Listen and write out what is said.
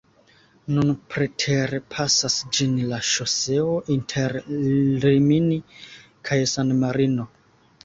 Nun preterpasas ĝin la ŝoseo inter Rimini kaj San-Marino.